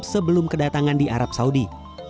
sebelum kedatangan di arab saudi